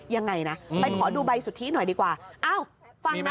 เอามาให้ดูด้วย